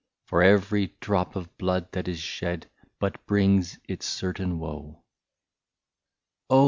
For every drop of blood that is shed, But brings its certain woe." " Oh